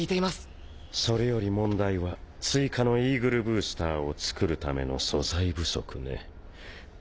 淵妊紂璽法それより問題は媛辰イーグルブースターを作るための素材不足ね。